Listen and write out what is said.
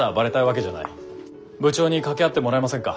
部長に掛け合ってもらえませんか？